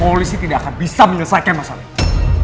polisi tidak akan bisa menyelesaikan masalah itu